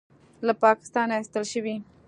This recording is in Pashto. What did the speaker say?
له پاکستانه ایستل شوی